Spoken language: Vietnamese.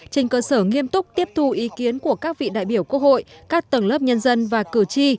trên cơ sở nghiêm túc tiếp thu ý kiến của các vị đại biểu quốc hội các tầng lớp nhân dân và cử tri